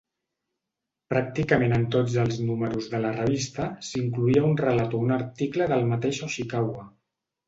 Pràcticament en tots els números de la revista s'incloïa un relat o un article del mateix Oshikawa.